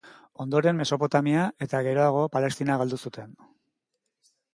Ondoren Mesopotamia eta geroago Palestina galdu zuten.